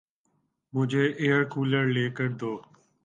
مجھے air cooler لے کر دو